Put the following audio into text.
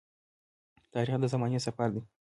تاریخ د زمانې سفر دی.